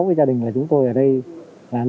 từ giờ đến giờ tư tưởng công tác đã được xác định